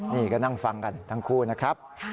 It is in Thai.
นี่ก็นั่งฟังกันทั้งคู่นะครับ